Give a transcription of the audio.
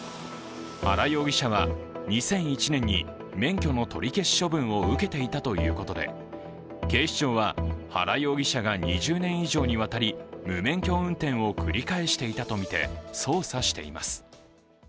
原容疑者は２００１年に免許の取り消し処分を受けていたということで警視庁は、原容疑者が２０年以上にわたり無免許運転を繰り返していたとみて、捜査しています。